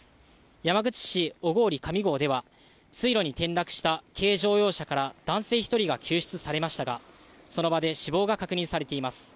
山口市小郡神郷では、水路に転落した軽乗用車から男性１人が救出されましたが、その場で死亡が確認されています。